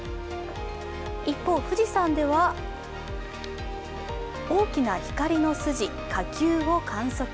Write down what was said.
一方、富士山では大きな光の筋、火球を観測。